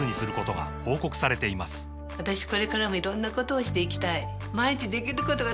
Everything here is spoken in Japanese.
私これからもいろんなことをしていきたい